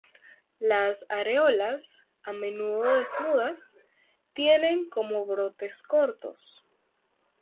Las areolas, a menudo desnudas, tienen como brotes cortos.